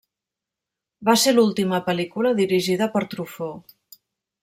Va ser l'última pel·lícula dirigida per Truffaut.